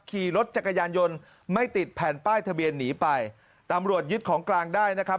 ขี่รถจักรยานยนต์ไม่ติดแผ่นป้ายทะเบียนหนีไปตำรวจยึดของกลางได้นะครับ